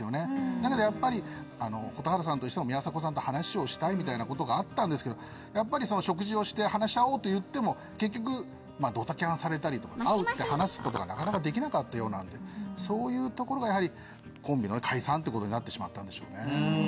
だけどやっぱり蛍原さんとしても宮迫さんと話をしたいみたいなことがあったんですけどやっぱりその食事をして話し合おうと言っても結局ドタキャンされたりとか会って話すことがなかなかできなかったようなのでそういうところがやはりコンビの解散ってことになってしまったんでしょうね。